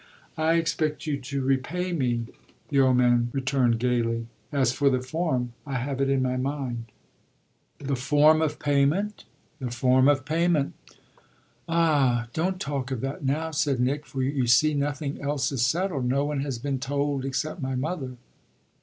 "I expect you to repay me!" the old man returned gaily. "As for the form, I have it in my mind." "The form of repayment?" "The form of repayment!" "Ah don't talk of that now," said Nick, "for, you see, nothing else is settled. No one has been told except my mother.